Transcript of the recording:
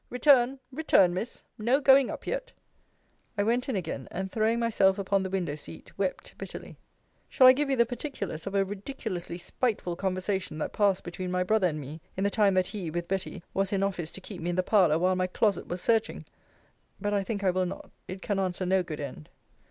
Return, return, Miss no going up yet. I went in again, and throwing myself upon the window seat, wept bitterly. Shall I give you the particulars of a ridiculously spiteful conversation that passed between my brother and me, in the time that he (with Betty) was in office to keep me in the parlour while my closet was searching! But I think I will not. It can answer no good end.